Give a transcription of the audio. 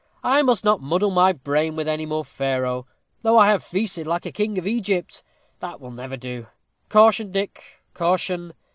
"I must not muddle my brain with any more Pharaoh, though I have feasted like a king of Egypt. That will never do. Caution, Dick, caution.